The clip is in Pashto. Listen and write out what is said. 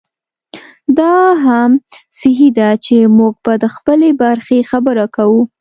دا هم صحي ده چې موږ به د خپلې برخې خبره کوو.